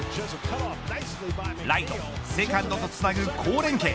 ライト、セカンドとつなぐ好連係。